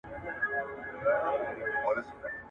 او په هینداره کې په ځان پورې له غمه